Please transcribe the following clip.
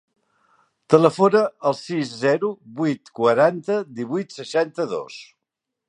Telefona al sis, zero, vuit, quaranta, divuit, seixanta-dos.